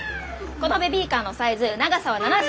このベビーカーのサイズ長さは７５ｃｍ。